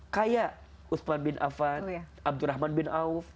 kayak uthman bin affan abdurrahman bin auf